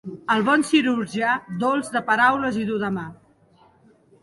El bon cirurgià, dolç de paraules i dur de mà.